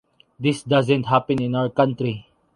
This doesn’t happen in our country.